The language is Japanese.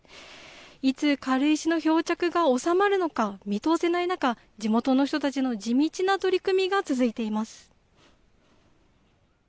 いつ軽石の漂着が収まるのか見通せない中、地元の人たちの地道な取り組みが続いています。